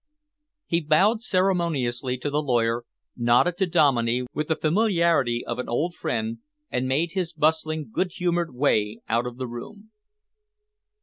He bowed ceremoniously to the lawyer, nodded to Dominey with the familiarity of an old friend, and made his bustling, good humoured way out of the room.